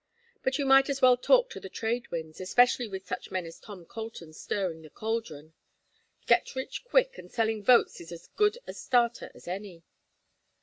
But you might as well talk to the trade winds, especially with such men as Tom Colton stirring the caldron. 'Get rich quick; and selling votes is as good a starter as any.'